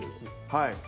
はい。